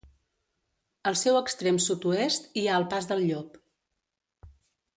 Al seu extrem sud-oest hi ha el Pas del Llop.